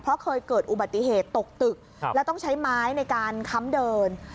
เพราะเคยเกิดอุบัติเหตุตกตึกแล้วต้องใช้ไม้ในการค้ำเดิน